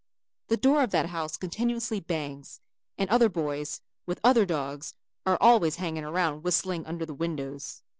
The door of that house continuously bangs, and other boys with other dogs are always hanging around whistling under the windows.